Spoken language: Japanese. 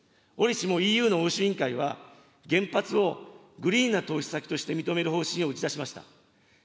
折しもＥＵの欧州委員会は、原発をグリーンな投資先として認める方針を打ち出しました。